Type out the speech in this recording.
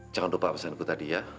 jangan lupa pesanku tadi ya